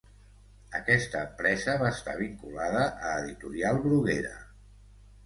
Aquesta empresa va estar vinculada a Editorial Bruguera.